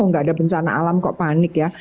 nggak ada bencana alam kok panik ya